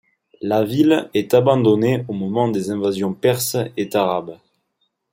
La ville est abandonnée au moment des invasions perses et arabes.